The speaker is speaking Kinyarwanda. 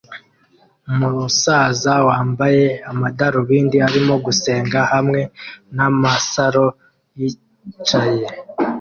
Umusaza wambaye amadarubindi arimo gusenga hamwe namasaro yicaye